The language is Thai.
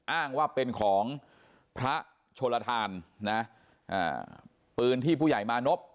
อ้างว่าเป็นของพระโชลทานนะปืนที่ผู้ใหญ่มานพ